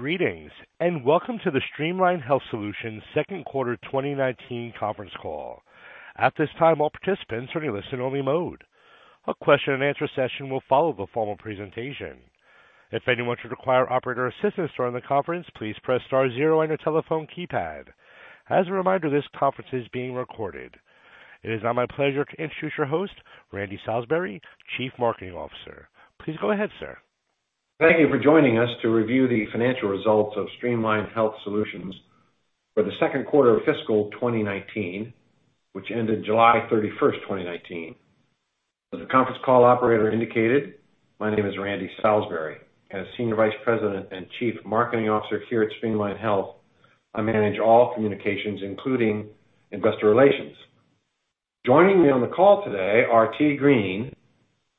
Greetings, welcome to the Streamline Health Solutions second quarter 2019 conference call. At this time, all participants are in listen only mode. A question and answer session will follow the formal presentation. If anyone should require operator assistance during the conference, please press star zero on your telephone keypad. As a reminder, this conference is being recorded. It is now my pleasure to introduce your host, Randy Salisbury, Chief Marketing Officer. Please go ahead, sir. Thank you for joining us to review the financial results of Streamline Health Solutions for the second quarter of fiscal 2019, which ended July 31st, 2019. As the conference call operator indicated, my name is Randy Salisbury. As Senior Vice President and Chief Marketing Officer here at Streamline Health, I manage all communications, including investor relations. Joining me on the call today are T. Green,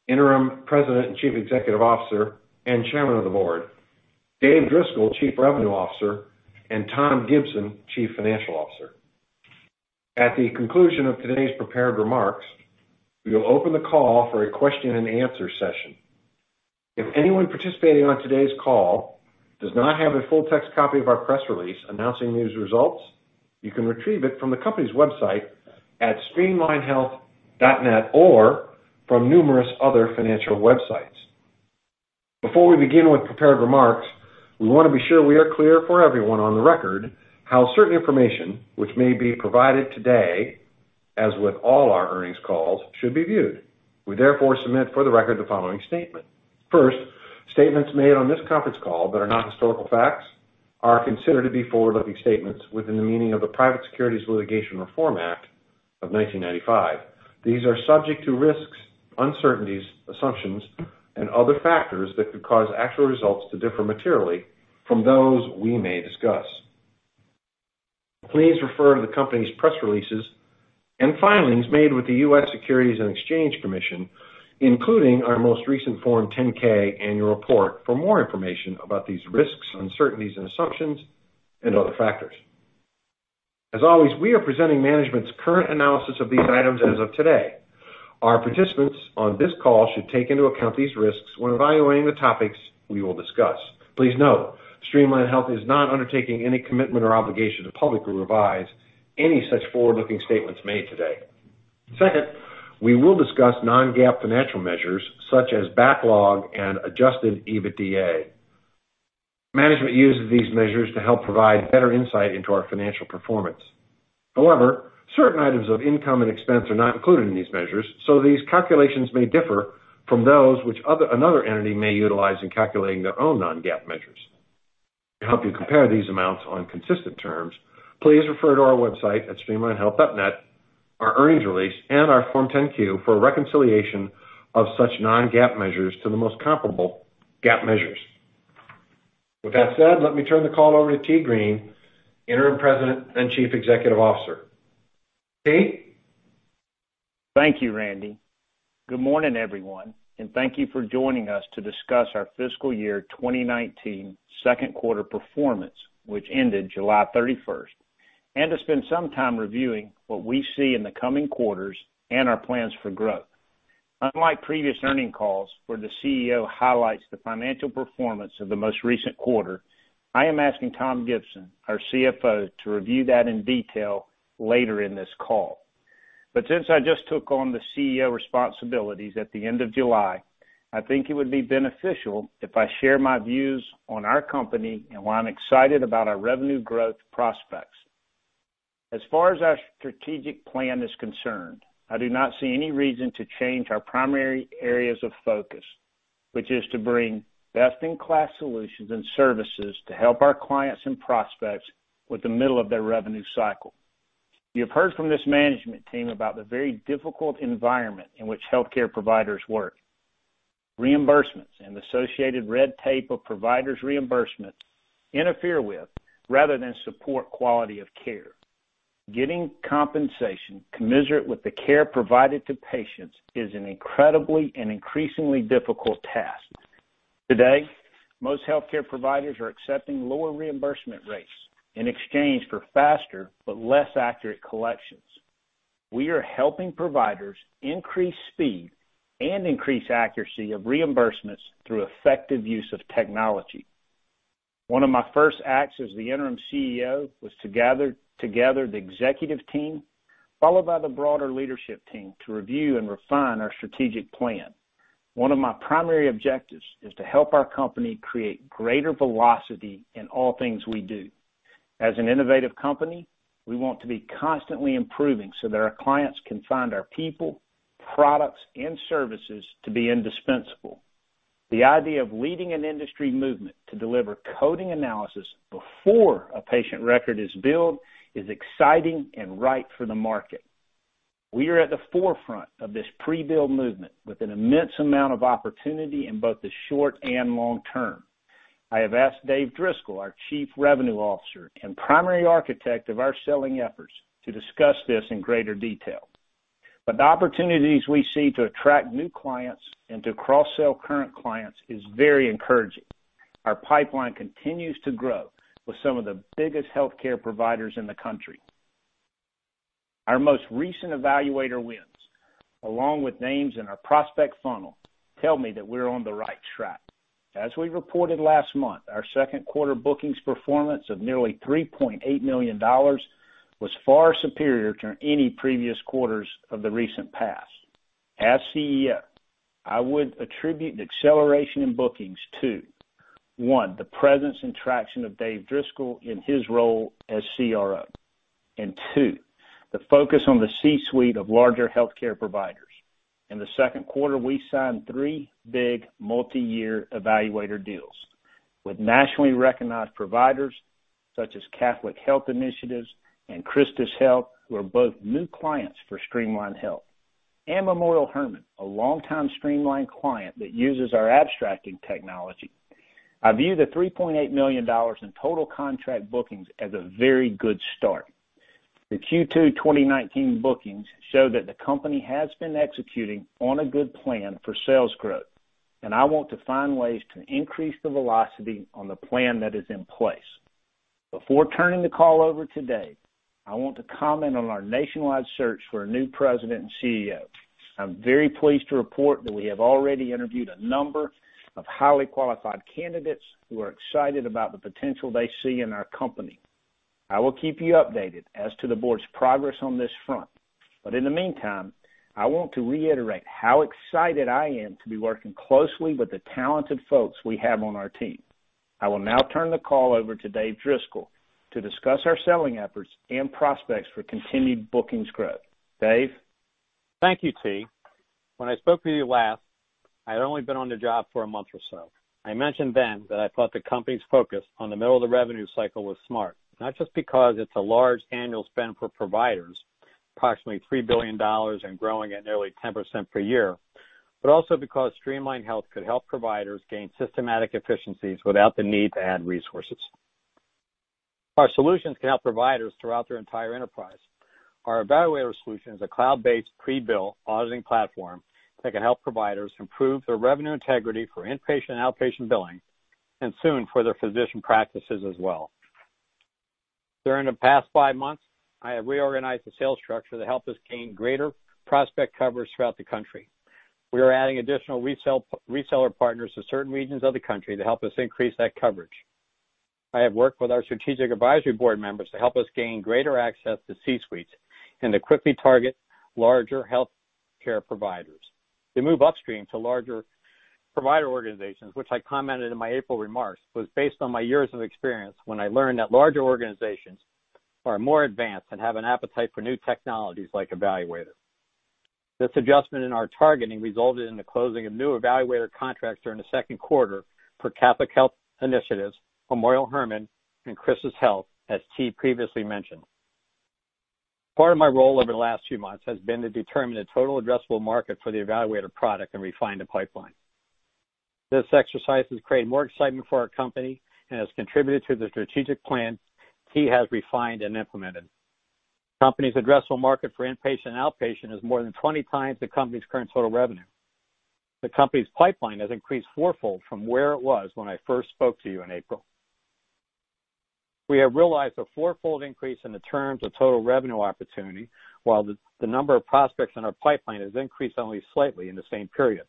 Interim President and Chief Executive Officer, and Chairman of the Board, Dave Driscoll, Chief Revenue Officer, and Tom Gibson, Chief Financial Officer. At the conclusion of today's prepared remarks, we will open the call for a question and answer session. If anyone participating on today's call does not have a full text copy of our press release announcing these results, you can retrieve it from the company's website at streamlinehealth.net, or from numerous other financial websites. Before we begin with prepared remarks, we want to be sure we are clear for everyone on the record how certain information, which may be provided today, as with all our earnings calls, should be viewed. We therefore submit for the record the following statement. First, statements made on this conference call that are not historical facts are considered to be forward-looking statements within the meaning of the Private Securities Litigation Reform Act of 1995. These are subject to risks, uncertainties, assumptions and other factors that could cause actual results to differ materially from those we may discuss. Please refer to the company's press releases and filings made with the U.S. Securities and Exchange Commission, including our most recent Form 10-K annual report for more information about these risks, uncertainties and assumptions and other factors. As always, we are presenting management's current analysis of these items as of today. Our participants on this call should take into account these risks when evaluating the topics we will discuss. Please note, Streamline Health is not undertaking any commitment or obligation to publicly revise any such forward-looking statements made today. Second, we will discuss non-GAAP financial measures such as backlog and adjusted EBITDA. Management uses these measures to help provide better insight into our financial performance. However, certain items of income and expense are not included in these measures, so these calculations may differ from those which another entity may utilize in calculating their own non-GAAP measures. To help you compare these amounts on consistent terms, please refer to our website at streamlinehealth.net, our earnings release, and our Form 10-Q for a reconciliation of such non-GAAP measures to the most comparable GAAP measures. With that said, let me turn the call over to T. Green, Interim President and Chief Executive Officer. T? Thank you, Randy. Good morning, everyone, and thank you for joining us to discuss our fiscal year 2019 second quarter performance, which ended July 31st, and to spend some time reviewing what we see in the coming quarters and our plans for growth. Unlike previous earnings calls where the CEO highlights the financial performance of the most recent quarter, I am asking Tom Gibson, our CFO, to review that in detail later in this call. Since I just took on the CEO responsibilities at the end of July, I think it would be beneficial if I share my views on our company and why I'm excited about our revenue growth prospects. As far as our strategic plan is concerned, I do not see any reason to change our primary areas of focus, which is to bring best in class solutions and services to help our clients and prospects with the middle of their revenue cycle. You have heard from this management team about the very difficult environment in which healthcare providers work. Reimbursements and associated red tape of providers' reimbursement interfere with, rather than support, quality of care. Getting compensation commensurate with the care provided to patients is an incredibly and increasingly difficult task. Today, most healthcare providers are accepting lower reimbursement rates in exchange for faster but less accurate collections. We are helping providers increase speed and increase accuracy of reimbursements through effective use of technology. One of my first acts as the interim CEO was to gather the executive team, followed by the broader leadership team, to review and refine our strategic plan. One of my primary objectives is to help our company create greater velocity in all things we do. As an innovative company, we want to be constantly improving so that our clients can find our people, products, and services to be indispensable. The idea of leading an industry movement to deliver coding analysis before a patient record is billed is exciting and right for the market. We are at the forefront of this pre-bill movement with an immense amount of opportunity in both the short and long term. I have asked Dave Driscoll, our Chief Revenue Officer and primary architect of our selling efforts, to discuss this in greater detail, but the opportunities we see to attract new clients and to cross-sell current clients is very encouraging. Our pipeline continues to grow with some of the biggest healthcare providers in the country. Our most recent eValuator wins, along with names in our prospect funnel, tell me that we're on the right track. As we reported last month, our second quarter bookings performance of nearly $3.8 million was far superior to any previous quarters of the recent past. As CEO, I would attribute the acceleration in bookings to, one, the presence and traction of Dave Driscoll in his role as CRO, and two, the focus on the C-suite of larger healthcare providers. In the second quarter, we signed three big multi-year eValuator deals with nationally recognized providers such as Catholic Health Initiatives and CHRISTUS Health, who are both new clients for Streamline Health. Memorial Hermann, a longtime Streamline client that uses our abstracting technology. I view the $3.8 million in total contract bookings as a very good start. The Q2 2019 bookings show that the company has been executing on a good plan for sales growth, and I want to find ways to increase the velocity on the plan that is in place. Before turning the call over today, I want to comment on our nationwide search for a new president and CEO. I'm very pleased to report that we have already interviewed a number of highly qualified candidates who are excited about the potential they see in our company. I will keep you updated as to the board's progress on this front. In the meantime, I want to reiterate how excited I am to be working closely with the talented folks we have on our team. I will now turn the call over to Dave Driscoll to discuss our selling efforts and prospects for continued bookings growth. Dave? Thank you, T. When I spoke with you last, I had only been on the job for a month or so. I mentioned then that I thought the company's focus on the middle of the revenue cycle was smart, not just because it's a large annual spend for providers, approximately $3 billion and growing at nearly 10% per year, but also because Streamline Health could help providers gain systematic efficiencies without the need to add resources. Our solutions can help providers throughout their entire enterprise. Our eValuator solution is a cloud-based prebill auditing platform that can help providers improve their revenue integrity for inpatient and outpatient billing, and soon for their physician practices as well. During the past five months, I have reorganized the sales structure to help us gain greater prospect coverage throughout the country. We are adding additional reseller partners to certain regions of the country to help us increase that coverage. I have worked with our strategic advisory board members to help us gain greater access to C-suites and to quickly target larger healthcare providers. To move upstream to larger provider organizations, which I commented in my April remarks, was based on my years of experience when I learned that larger organizations are more advanced and have an appetite for new technologies like eValuator. This adjustment in our targeting resulted in the closing of new eValuator contracts during the second quarter for Catholic Health Initiatives, Memorial Hermann, and CHRISTUS Health, as T previously mentioned. Part of my role over the last few months has been to determine the total addressable market for the eValuator product and refine the pipeline. This exercise has created more excitement for our company and has contributed to the strategic plan T has refined and implemented. Company's addressable market for inpatient and outpatient is more than 20 times the company's current total revenue. The company's pipeline has increased fourfold from where it was when I first spoke to you in April. We have realized a fourfold increase in the terms of total revenue opportunity, while the number of prospects in our pipeline has increased only slightly in the same period.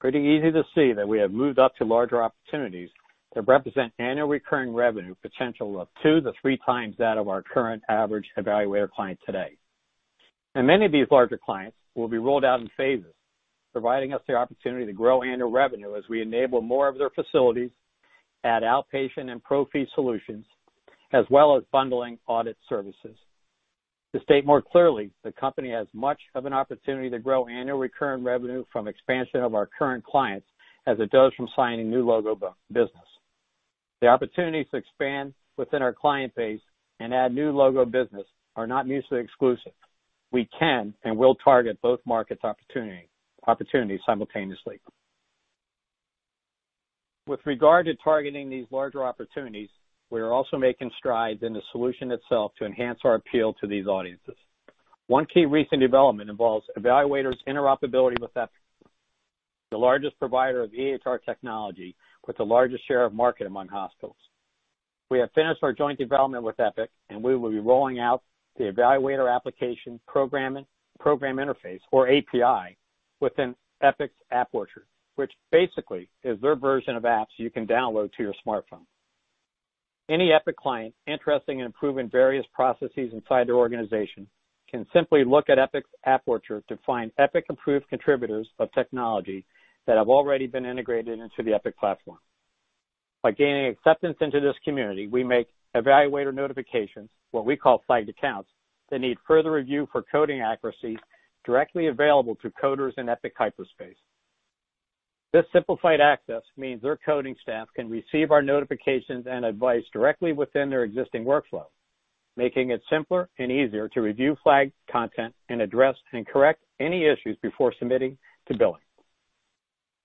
Pretty easy to see that we have moved up to larger opportunities that represent annual recurring revenue potential of two to three times that of our current average eValuator client today. Many of these larger clients will be rolled out in phases, providing us the opportunity to grow annual revenue as we enable more of their facilities, add outpatient and pro fee solutions, as well as bundling audit services. To state more clearly, the company has much of an opportunity to grow annual recurring revenue from expansion of our current clients, as it does from signing new logo business. The opportunities to expand within our client base and add new logo business are not mutually exclusive. We can and will target both markets' opportunities simultaneously. With regard to targeting these larger opportunities, we are also making strides in the solution itself to enhance our appeal to these audiences. One key recent development involves eValuator's interoperability with Epic, the largest provider of EHR technology with the largest share of market among hospitals. We have finished our joint development with Epic, and we will be rolling out the eValuator application program interface, or API, within Epic's App Orchard, which basically is their version of apps you can download to your smartphone. Any Epic client interested in improving various processes inside their organization can simply look at Epic's App Orchard to find Epic-approved contributors of technology that have already been integrated into the Epic platform. By gaining acceptance into this community, we make eValuator notifications, what we call flagged accounts, that need further review for coding accuracy directly available through coders in Epic Hyperspace. This simplified access means their coding staff can receive our notifications and advice directly within their existing workflow, making it simpler and easier to review flagged content and address and correct any issues before submitting to billing.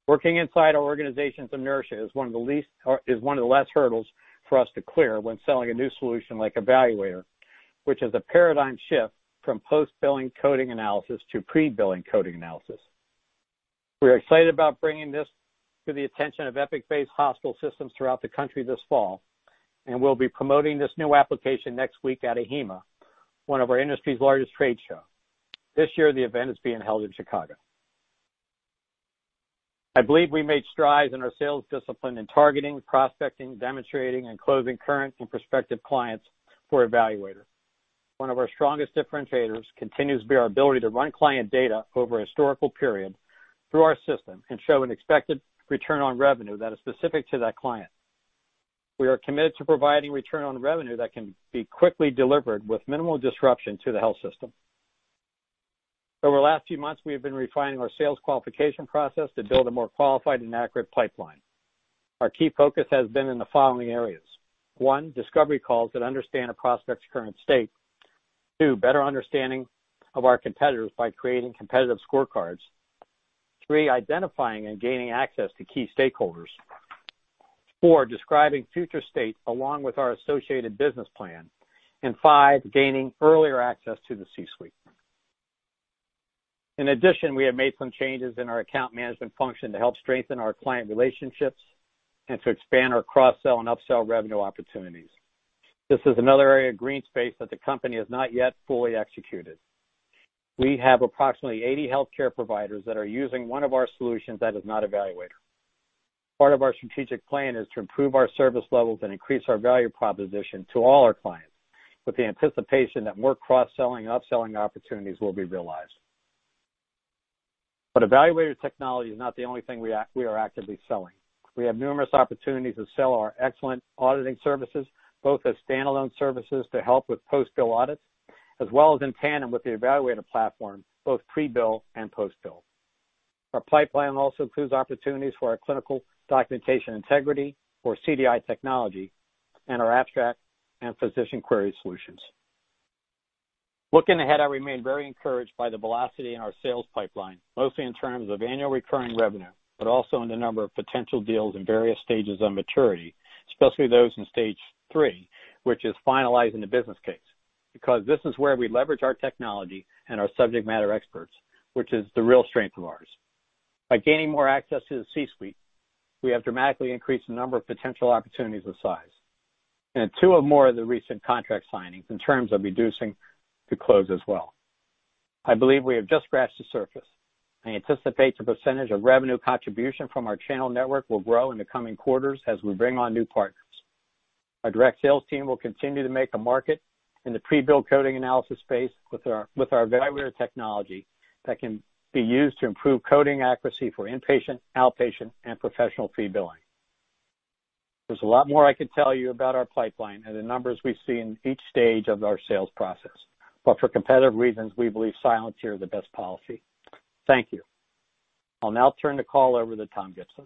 Working inside our organization's inertia is one of the less hurdles for us to clear when selling a new solution like eValuator, which is a paradigm shift from post-billing coding analysis to pre-billing coding analysis. We're excited about bringing this to the attention of Epic-based hospital systems throughout the country this fall, and we'll be promoting this new application next week at AHIMA, one of our industry's largest trade shows. This year, the event is being held in Chicago. I believe we made strides in our sales discipline in targeting, prospecting, demonstrating, and closing current and prospective clients for eValuator. One of our strongest differentiators continues to be our ability to run client data over a historical period through our system and show an expected return on revenue that is specific to that client. We are committed to providing return on revenue that can be quickly delivered with minimal disruption to the health system. Over the last few months, we have been refining our sales qualification process to build a more qualified and accurate pipeline. Our key focus has been in the following areas. One, discovery calls that understand a prospect's current state. Two, better understanding of our competitors by creating competitive scorecards. Three, identifying and gaining access to key stakeholders. Four, describing future state along with our associated business plan. Five, gaining earlier access to the C-suite. In addition, we have made some changes in our account management function to help strengthen our client relationships and to expand our cross-sell and up-sell revenue opportunities. This is another area of green space that the company has not yet fully executed. We have approximately 80 healthcare providers that are using one of our solutions that is not eValuator. Part of our strategic plan is to improve our service levels and increase our value proposition to all our clients with the anticipation that more cross-selling and up-selling opportunities will be realized. eValuator technology is not the only thing we are actively selling. We have numerous opportunities to sell our excellent auditing services, both as standalone services to help with post-bill audits, as well as in tandem with the eValuator platform, both pre-bill and post-bill. Our pipeline also includes opportunities for our clinical documentation integrity or CDI technology, and our abstract and physician query solutions. Looking ahead, I remain very encouraged by the velocity in our sales pipeline, mostly in terms of annual recurring revenue, but also in the number of potential deals in various stages of maturity, especially those in stage 3, which is finalizing the business case. This is where we leverage our technology and our subject matter experts, which is the real strength of ours. By gaining more access to the C-suite, we have dramatically increased the number of potential opportunities of size. Two or more of the recent contract signings in terms of reducing the close as well. I believe we have just scratched the surface. I anticipate the % of revenue contribution from our channel network will grow in the coming quarters as we bring on new partners. Our direct sales team will continue to make a market in the pre-bill coding analysis space with our eValuator technology that can be used to improve coding accuracy for inpatient, outpatient, and professional fee billing. There's a lot more I could tell you about our pipeline and the numbers we see in each stage of our sales process. For competitive reasons, we believe silence here is the best policy. Thank you. I'll now turn the call over to Tom Gibson.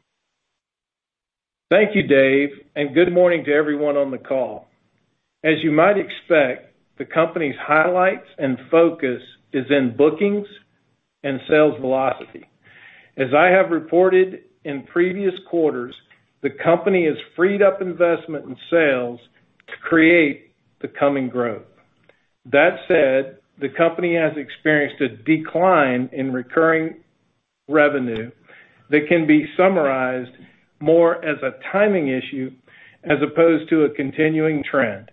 Thank you, Dave, and good morning to everyone on the call. As you might expect, the company's highlights and focus is in bookings and sales velocity. As I have reported in previous quarters, the company has freed up investment in sales to create the coming growth. That said, the company has experienced a decline in recurring revenue that can be summarized more as a timing issue as opposed to a continuing trend.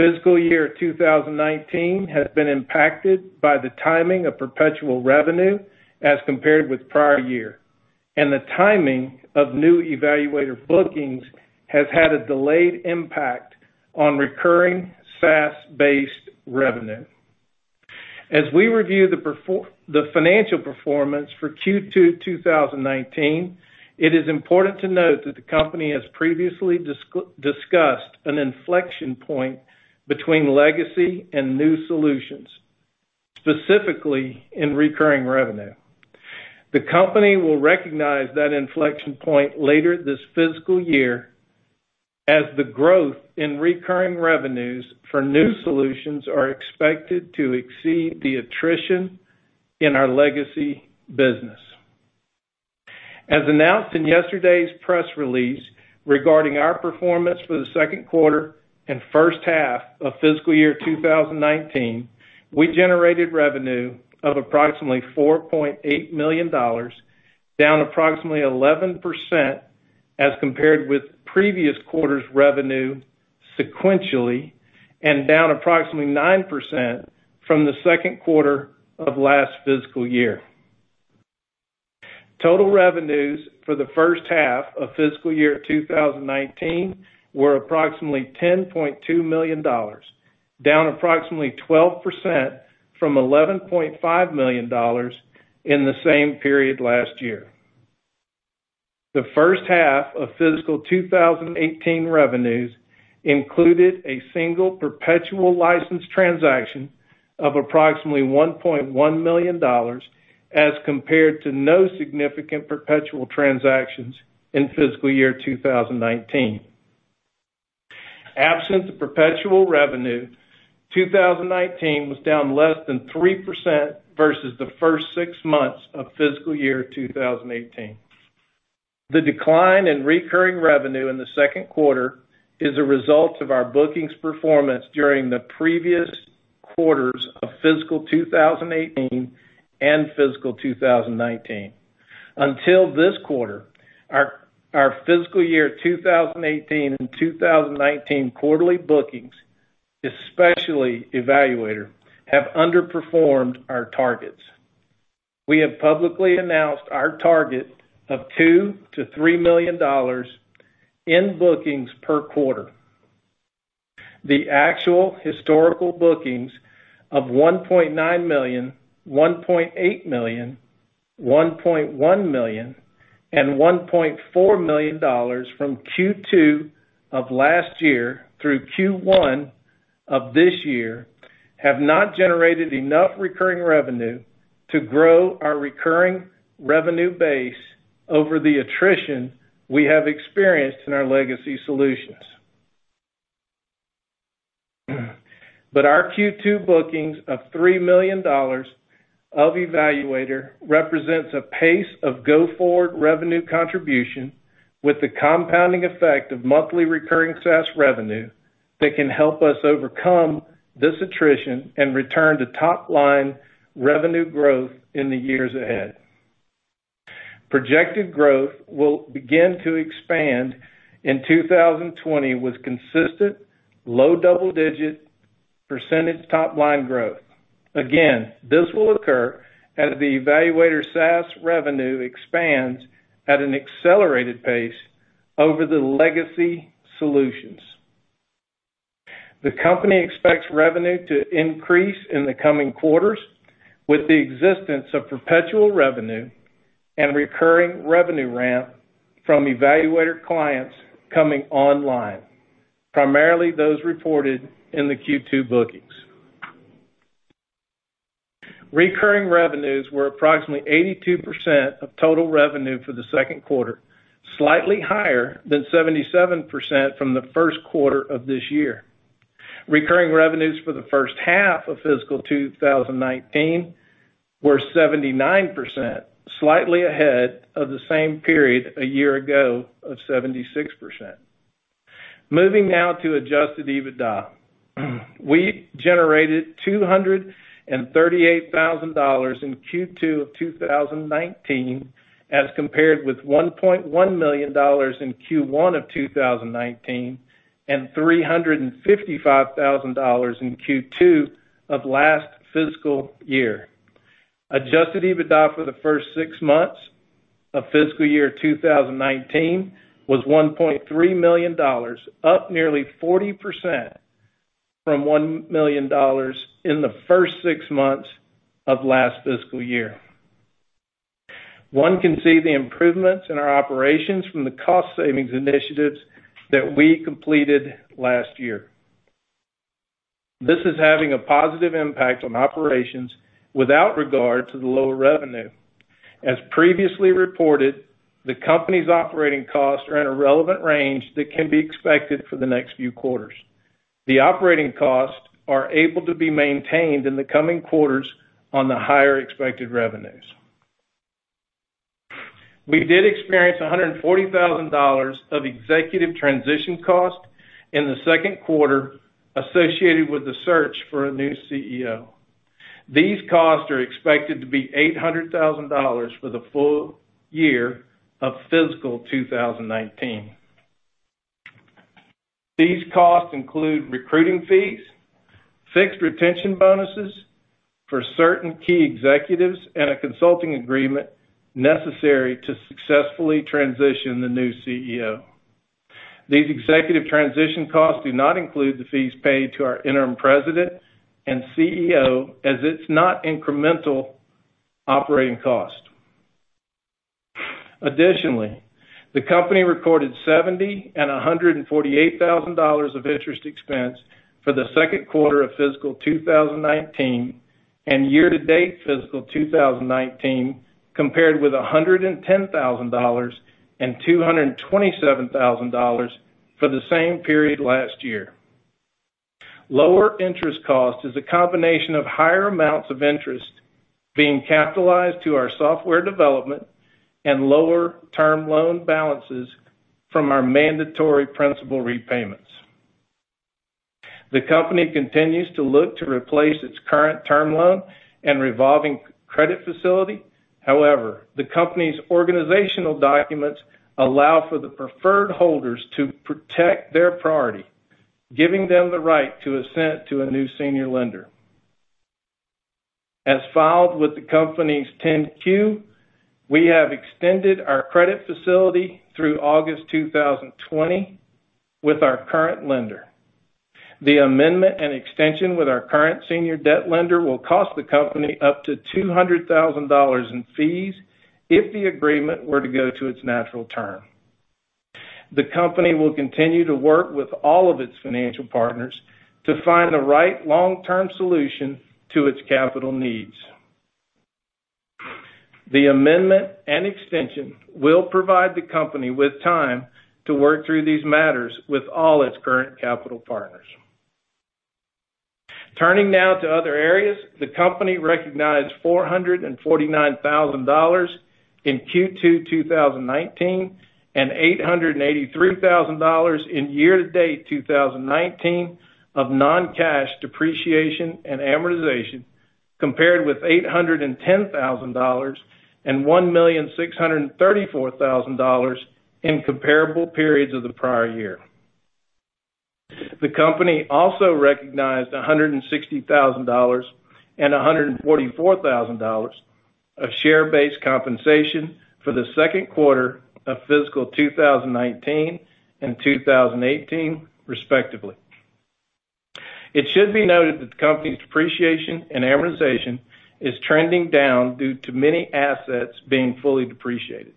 Fiscal year 2019 has been impacted by the timing of perpetual revenue as compared with prior year, and the timing of new eValuator bookings has had a delayed impact on recurring SaaS-based revenue. As we review the financial performance for Q2 2019, it is important to note that the company has previously discussed an inflection point between legacy and new solutions, specifically in recurring revenue. The company will recognize that inflection point later this fiscal year as the growth in recurring revenues for new solutions are expected to exceed the attrition in our legacy business. As announced in yesterday's press release regarding our performance for the second quarter and first half of fiscal year 2019, we generated revenue of approximately $4.8 million, down approximately 11% as compared with previous quarter's revenue sequentially, and down approximately 9% from the second quarter of last fiscal year. Total revenues for the first half of fiscal year 2019 were approximately $10.2 million, down approximately 12% from $11.5 million in the same period last year. The first half of fiscal 2018 revenues included a single perpetual license transaction of approximately $1.1 million, as compared to no significant perpetual transactions in fiscal year 2019. Absent the perpetual revenue, 2019 was down less than 3% versus the first six months of fiscal year 2018. The decline in recurring revenue in the second quarter is a result of our bookings performance during the previous quarters of fiscal 2018 and fiscal 2019. Until this quarter, our fiscal year 2018 and 2019 quarterly bookings, especially eValuator, have underperformed our targets. We have publicly announced our target of $2 million-$3 million in bookings per quarter. The actual historical bookings of $1.9 million, $1.8 million, $1.1 million and $1.4 million from Q2 of last year through Q1 of this year have not generated enough recurring revenue to grow our recurring revenue base over the attrition we have experienced in our legacy solutions. Our Q2 bookings of $3 million of eValuator represents a pace of go-forward revenue contribution with the compounding effect of monthly recurring SaaS revenue that can help us overcome this attrition and return to top-line revenue growth in the years ahead. Projected growth will begin to expand in 2020 with consistent low double-digit percentage top-line growth. This will occur as the eValuator SaaS revenue expands at an accelerated pace over the legacy solutions. The company expects revenue to increase in the coming quarters with the existence of perpetual revenue and recurring revenue ramp from eValuator clients coming online, primarily those reported in the Q2 bookings. Recurring revenues were approximately 82% of total revenue for the second quarter, slightly higher than 77% from the first quarter of this year. Recurring revenues for the first half of fiscal 2019 were 79%, slightly ahead of the same period a year ago of 76%. Moving now to adjusted EBITDA. We generated $238,000 in Q2 of 2019 as compared with $1.1 million in Q1 of 2019 and $355,000 in Q2 of last fiscal year. Adjusted EBITDA for the first six months of fiscal year 2019 was $1.3 million, up nearly 40% from $1 million in the first six months of last fiscal year. One can see the improvements in our operations from the cost savings initiatives that we completed last year. This is having a positive impact on operations without regard to the lower revenue. As previously reported, the company's operating costs are in a relevant range that can be expected for the next few quarters. The operating costs are able to be maintained in the coming quarters on the higher expected revenues. We did experience $140,000 of executive transition cost in the second quarter associated with the search for a new CEO. These costs are expected to be $800,000 for the full year of fiscal 2019. These costs include recruiting fees, fixed retention bonuses for certain key executives, and a consulting agreement necessary to successfully transition the new CEO. These executive transition costs do not include the fees paid to our interim president and CEO as it's not incremental operating cost. Additionally, the company recorded $70,000 and $148,000 of interest expense for the second quarter of fiscal 2019 and year to date fiscal 2019, compared with $110,000 and $227,000 for the same period last year. Lower interest cost is a combination of higher amounts of interest being capitalized to our software development and lower term loan balances from our mandatory principal repayments. The company continues to look to replace its current term loan and revolving credit facility. However, the company's organizational documents allow for the preferred holders to protect their priority, giving them the right to assent to a new senior lender. As filed with the company's 10-Q, we have extended our credit facility through August 2020 with our current lender. The amendment and extension with our current senior debt lender will cost the company up to $200,000 in fees if the agreement were to go to its natural term. The company will continue to work with all of its financial partners to find the right long-term solution to its capital needs. The amendment and extension will provide the company with time to work through these matters with all its current capital partners. Turning now to other areas, the company recognized $449,000 in Q2 2019 and $883,000 in year-to-date 2019 of non-cash depreciation and amortization compared with $810,000 and $1,634,000 in comparable periods of the prior year. The company also recognized $160,000 and $144,000 of share-based compensation for the second quarter of fiscal 2019 and 2018 respectively. It should be noted that the company's depreciation and amortization is trending down due to many assets being fully depreciated.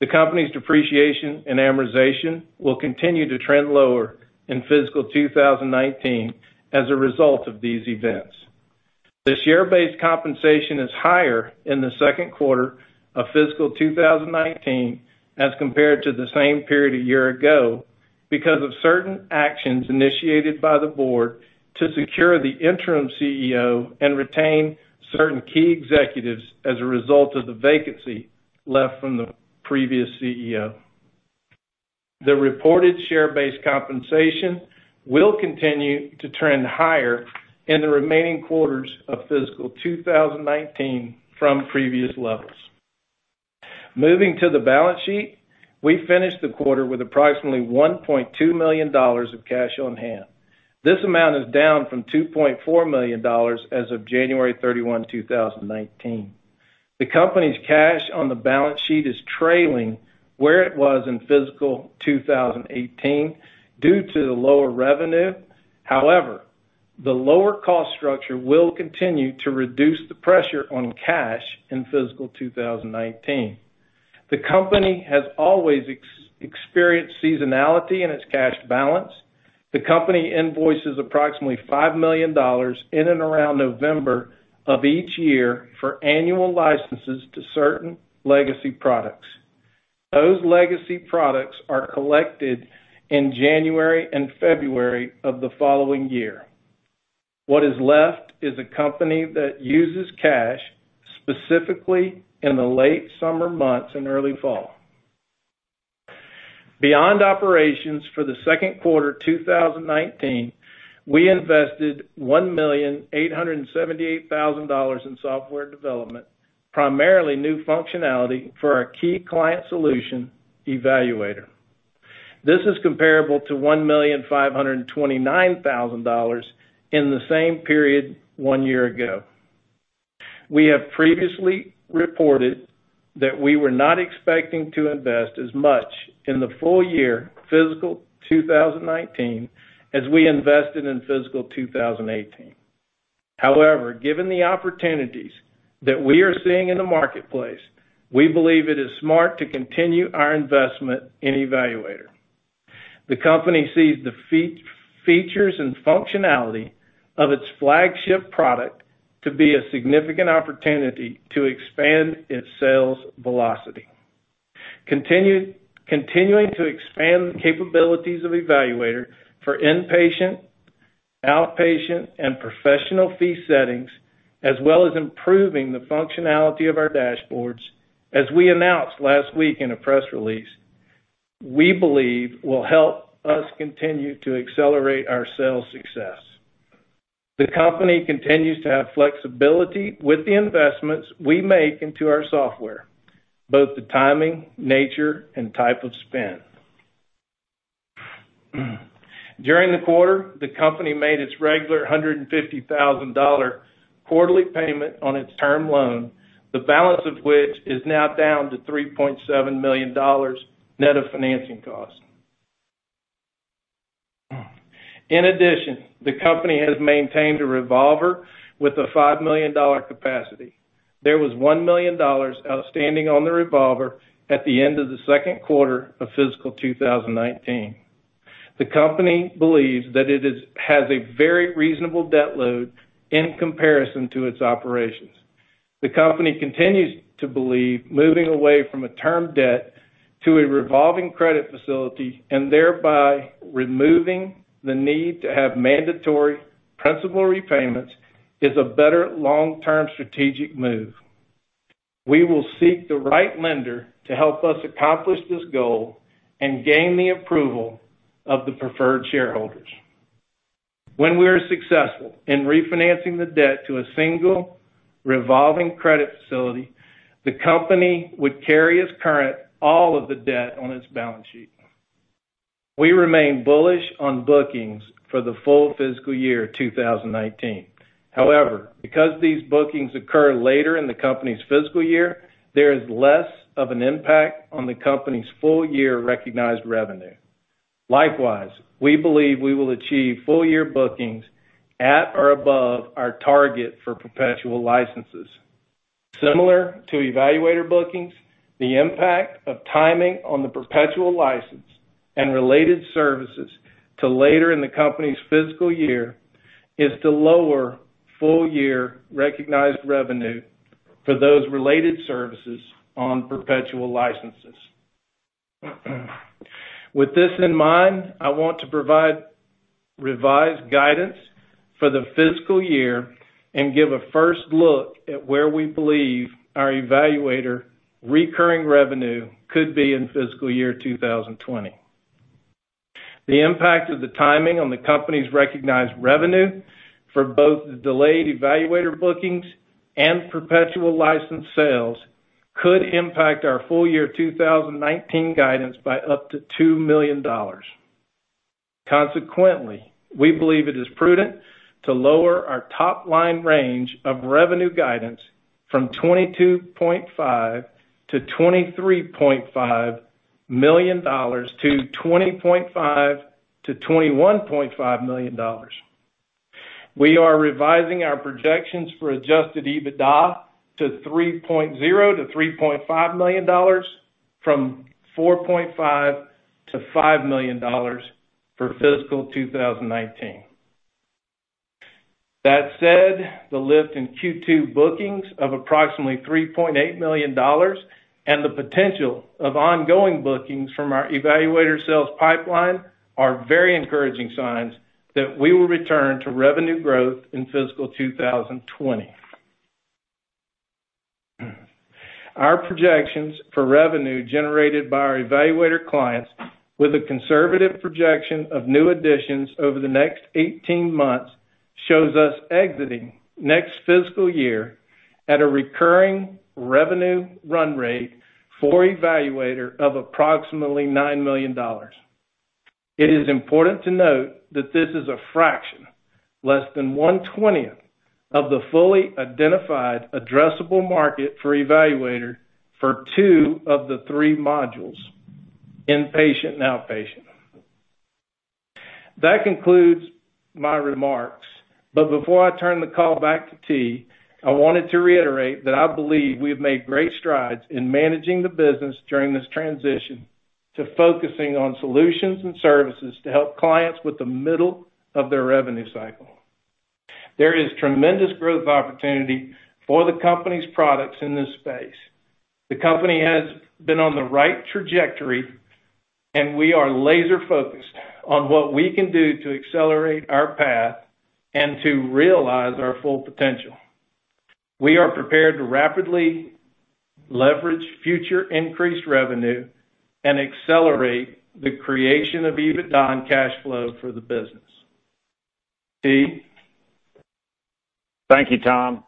The company's depreciation and amortization will continue to trend lower in fiscal 2019 as a result of these events. The share-based compensation is higher in the second quarter of fiscal 2019 as compared to the same period a year ago because of certain actions initiated by the board to secure the interim CEO and retain certain key executives as a result of the vacancy left from the previous CEO. The reported share-based compensation will continue to trend higher in the remaining quarters of fiscal 2019 from previous levels. Moving to the balance sheet, we finished the quarter with approximately $1.2 million of cash on hand. This amount is down from $2.4 million as of January 31, 2019. The company's cash on the balance sheet is trailing where it was in fiscal 2018 due to the lower revenue. The lower cost structure will continue to reduce the pressure on cash in fiscal 2019. The company has always experienced seasonality in its cash balance. The company invoices approximately $5 million in and around November of each year for annual licenses to certain legacy products. Those legacy products are collected in January and February of the following year. What is left is a company that uses cash specifically in the late summer months and early fall. Beyond operations for the second quarter 2019, we invested $1,878,000 in software development, primarily new functionality for our key client solution, eValuator. This is comparable to $1,529,000 in the same period one year ago. We have previously reported that we were not expecting to invest as much in the full year fiscal 2019 as we invested in fiscal 2018. However, given the opportunities that we are seeing in the marketplace, we believe it is smart to continue our investment in eValuator. The company sees the features and functionality of its flagship product to be a significant opportunity to expand its sales velocity. Continuing to expand the capabilities of eValuator for inpatient, outpatient, and professional fee settings, as well as improving the functionality of our dashboards, as we announced last week in a press release, we believe will help us continue to accelerate our sales success. The company continues to have flexibility with the investments we make into our software, both the timing, nature, and type of spend. During the quarter, the company made its regular $150,000 quarterly payment on its term loan, the balance of which is now down to $3.7 million net of financing cost. In addition, the company has maintained a revolver with a $5 million capacity. There was $1 million outstanding on the revolver at the end of the second quarter of fiscal 2019. The company believes that it has a very reasonable debt load in comparison to its operations. The company continues to believe moving away from a term debt to a revolving credit facility and thereby removing the need to have mandatory principal repayments is a better long-term strategic move. We will seek the right lender to help us accomplish this goal and gain the approval of the preferred shareholders. When we are successful in refinancing the debt to a single revolving credit facility, the company would carry as current all of the debt on its balance sheet. We remain bullish on bookings for the full fiscal year 2019. However, because these bookings occur later in the company's fiscal year, there is less of an impact on the company's full-year recognized revenue. Likewise, we believe we will achieve full-year bookings at or above our target for perpetual licenses. Similar to eValuator bookings, the impact of timing on the perpetual license and related services to later in the company's fiscal year is to lower full-year recognized revenue for those related services on perpetual licenses. With this in mind, I want to provide revised guidance for the fiscal year and give a first look at where we believe our eValuator recurring revenue could be in fiscal year 2020. The impact of the timing on the company's recognized revenue for both the delayed eValuator bookings and perpetual license sales could impact our full year 2019 guidance by up to $2 million. Consequently, we believe it is prudent to lower our top-line range of revenue guidance from $22.5 million-$23.5 million to $20.5 million-$21.5 million. We are revising our projections for adjusted EBITDA to $3.0 million-$3.5 million from $4.5 million-$5 million for fiscal 2019. The lift in Q2 bookings of approximately $3.8 million and the potential of ongoing bookings from our eValuator sales pipeline are very encouraging signs that we will return to revenue growth in fiscal 2020. Our projections for revenue generated by our eValuator clients with a conservative projection of new additions over the next 18 months shows us exiting next fiscal year at a recurring revenue run rate for eValuator of approximately $9 million. It is important to note that this is a fraction, less than one-twentieth of the fully identified addressable market for eValuator for two of the three modules, inpatient and outpatient. That concludes my remarks. Before I turn the call back to T., I wanted to reiterate that I believe we have made great strides in managing the business during this transition to focusing on solutions and services to help clients with the middle of their revenue cycle. There is tremendous growth opportunity for the company's products in this space. The company has been on the right trajectory, and we are laser-focused on what we can do to accelerate our path and to realize our full potential. We are prepared to rapidly leverage future increased revenue and accelerate the creation of EBITDA and cash flow for the business. T.? Thank you, Tom.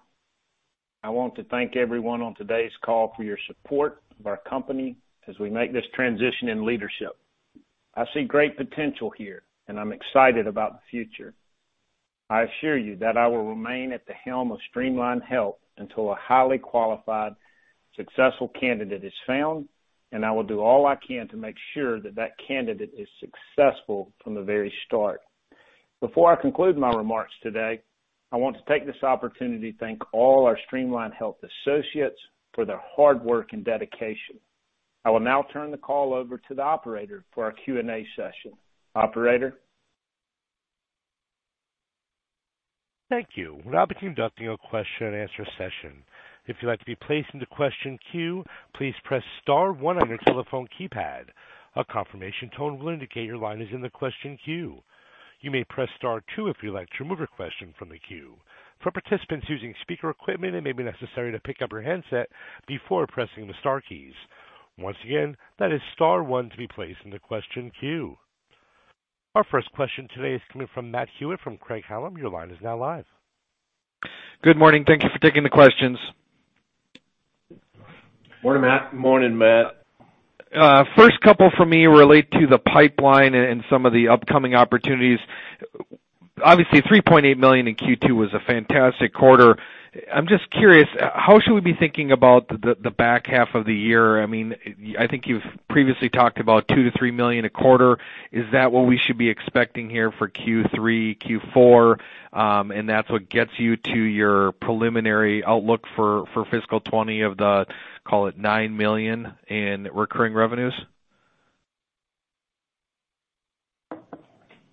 I want to thank everyone on today's call for your support of our company as we make this transition in leadership. I see great potential here, and I'm excited about the future. I assure you that I will remain at the helm of Streamline Health until a highly qualified, successful candidate is found, and I will do all I can to make sure that that candidate is successful from the very start. Before I conclude my remarks today, I want to take this opportunity to thank all our Streamline Health associates for their hard work and dedication. I will now turn the call over to the operator for our Q&A session. Operator? Thank you. We'll now be conducting a question and answer session. If you'd like to be placed into question queue, please press star 1 on your telephone keypad. A confirmation tone will indicate your line is in the question queue. You may press star 2 if you'd like to remove your question from the queue. For participants using speaker equipment, it may be necessary to pick up your handset before pressing the star keys. Once again, that is star 1 to be placed in the question queue. Our first question today is coming from Matthew Hewitt from Craig-Hallum. Your line is now live. Good morning. Thank you for taking the questions. Morning, Matt. Morning, Matt. First couple from me relate to the pipeline and some of the upcoming opportunities. Obviously, $3.8 million in Q2 was a fantastic quarter. I'm just curious, how should we be thinking about the back half of the year? I think you've previously talked about $2 million to $3 million a quarter. Is that what we should be expecting here for Q3, Q4, and that's what gets you to your preliminary outlook for fiscal 2020 of the, call it, $9 million in recurring revenues?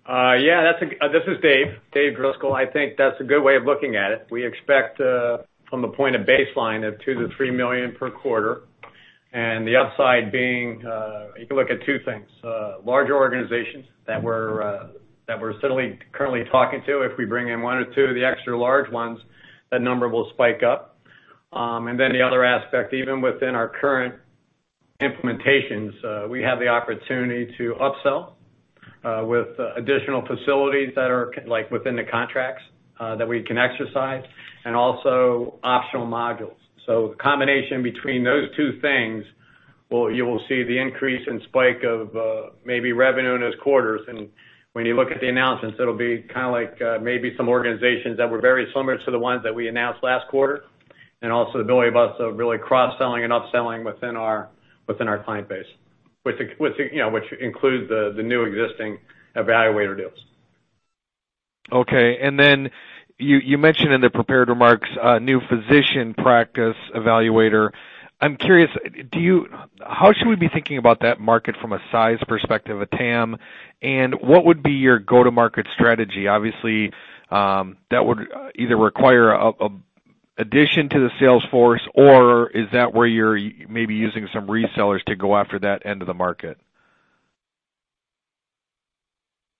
This is Dave Driscoll. I think that's a good way of looking at it. We expect from the point of baseline of $2 million-$3 million per quarter, and the upside being, you can look at two things. Larger organizations that we're certainly currently talking to, if we bring in one or two of the extra large ones, that number will spike up. The other aspect, even within our current implementations, we have the opportunity to upsell with additional facilities that are within the contracts that we can exercise, and also optional modules. The combination between those two things, you will see the increase in spike of maybe revenue in those quarters. When you look at the announcements, it'll be maybe some organizations that were very similar to the ones that we announced last quarter, and also the ability of us to really cross-selling and upselling within our client base, which includes the new existing eValuator deals. Okay. Then you mentioned in the prepared remarks new physician practice eValuator. I'm curious, how should we be thinking about that market from a size perspective, a TAM, and what would be your go-to-market strategy? Obviously, that would either require addition to the sales force, or is that where you're maybe using some resellers to go after that end of the market?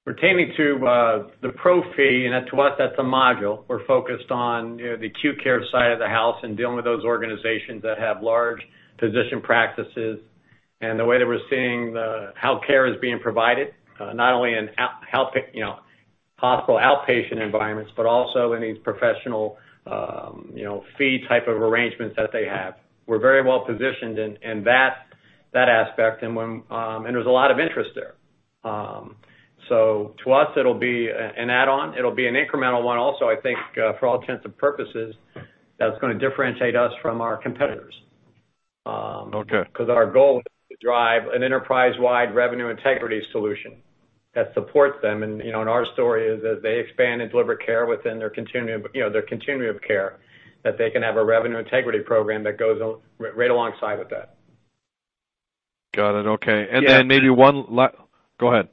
Pertaining to the pro fee, to us, that's a module. We're focused on the acute care side of the house and dealing with those organizations that have large physician practices. The way that we're seeing how care is being provided, not only in hospital outpatient environments, but also in these professional fee type of arrangements that they have. We're very well-positioned in that aspect, and there's a lot of interest there. To us, it'll be an add-on. It'll be an incremental one also, I think, for all intents and purposes, that's going to differentiate us from our competitors. Okay. Our goal is to drive an enterprise-wide revenue integrity solution that supports them. Our story is, as they expand and deliver care within their continuity of care, that they can have a revenue integrity program that goes right alongside with that. Got it. Okay. Yeah. Maybe one last. Go ahead.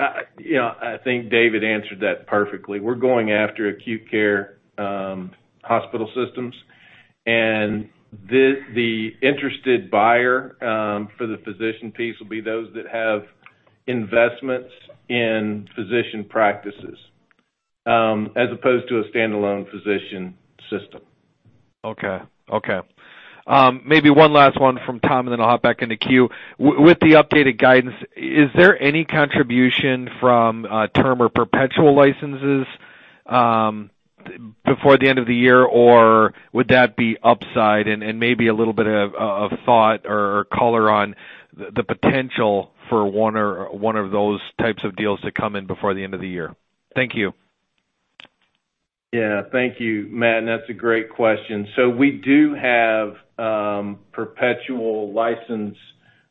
I think David answered that perfectly. We're going after acute care hospital systems. The interested buyer for the physician piece will be those that have investments in physician practices as opposed to a standalone physician system. Okay. Maybe one last one from Tom, and then I'll hop back in the queue. With the updated guidance, is there any contribution from term or perpetual licenses before the end of the year, or would that be upside? Maybe a little bit of thought or color on the potential for one of those types of deals to come in before the end of the year. Thank you. Yeah. Thank you, Matt. That's a great question. We do have perpetual license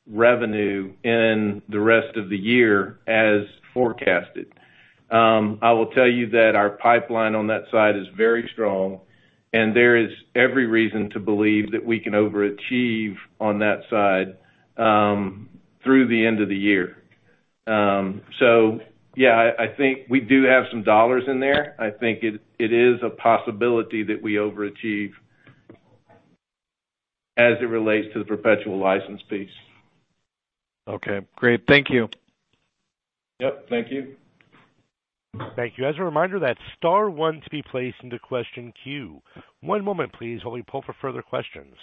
revenue in the rest of the year as forecasted. I will tell you that our pipeline on that side is very strong, and there is every reason to believe that we can overachieve on that side through the end of the year. Yeah, I think we do have some dollars in there. I think it is a possibility that we overachieve as it relates to the perpetual license piece. Okay, great. Thank you. Yep, thank you. Thank you. As a reminder, that's star one to be placed into question queue. One moment please while we poll for further questions.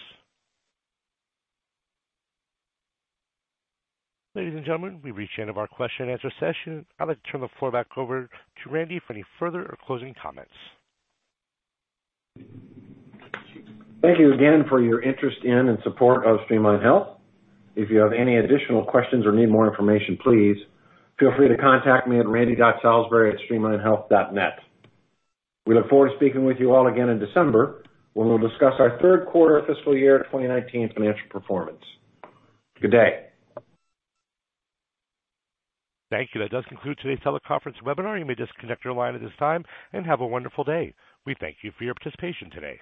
Ladies and gentlemen, we've reached the end of our question and answer session. I'd like to turn the floor back over to Randy for any further or closing comments. Thank you again for your interest in and support of Streamline Health. If you have any additional questions or need more information, please feel free to contact me at randy.salisbury@streamlinehealth.net. We look forward to speaking with you all again in December, when we'll discuss our third quarter fiscal year 2019 financial performance. Good day. Thank you. That does conclude today's teleconference webinar. You may disconnect your line at this time, and have a wonderful day. We thank you for your participation today.